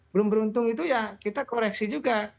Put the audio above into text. belum beruntung itu ya kita koreksi juga